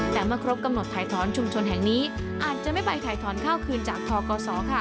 แต่เมื่อครบกำหนดถ่ายถอนชุมชนแห่งนี้อาจจะไม่ไปถ่ายถอนข้าวคืนจากทกศ